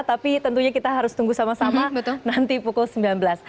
tapi tentunya kita harus tunggu sama sama nanti pukul sembilan belas